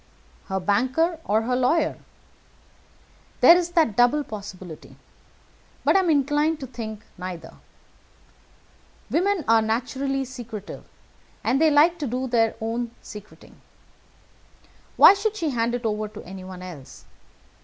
"Her banker or her lawyer. There is that double possibility. But I am inclined to think neither. Women are naturally secretive, and they like to do their own secreting. Why should she hand it over to anyone else?